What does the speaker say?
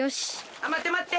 あっまってまって！